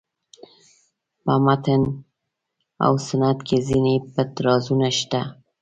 په متن او سنت کې ځینې پټ رازونه شته.